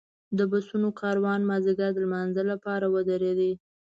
د بسونو کاروان مازیګر د لمانځه لپاره ودرېد.